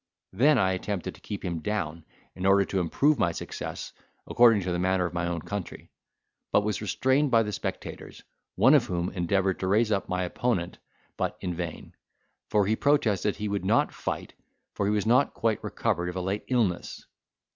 Then I attempted to keep him down, in order to improve my success, according to the manner of my own country, but was restrained by the spectators, one of whom endeavoured to raise up my opponent, but in vain; for he protested he would not fight, for he was not quite recovered of a late illness.